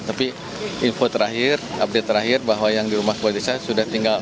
tapi info terakhir update terakhir bahwa yang di rumah kepala desa sudah tinggal